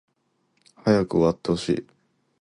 早く終わってほしい